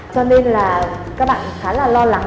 cho nên là các bạn khá là lo lắng